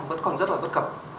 vẫn còn rất là bất cập